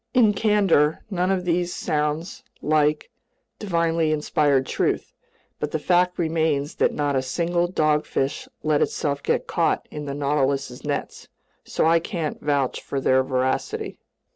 In candor, none of these sounds like divinely inspired truth. But the fact remains that not a single dogfish let itself get caught in the Nautilus's nets, so I can't vouch for their voracity.